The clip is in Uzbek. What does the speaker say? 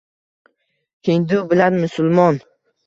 Hindu bilan musulmon.